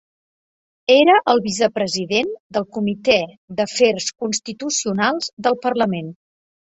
Era el vicepresident del Comitè d'Afers Constitucionals del parlament.